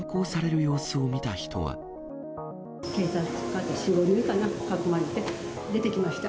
警察官４、５人かな、囲まれて出てきました。